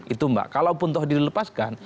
itu mbak kalaupun toh dilepaskan